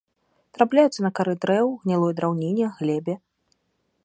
Трапляюцца на кары дрэў, гнілой драўніне, глебе.